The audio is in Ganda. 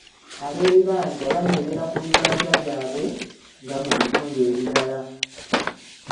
Ab’ebibanja banywerera ku bibanja byabwe nga mu bitundu ebirala.